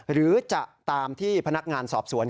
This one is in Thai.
หรือจะตามที่พนักงานสอบสวน